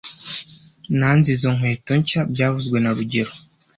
Nanze izo nkweto nshya byavuzwe na rugero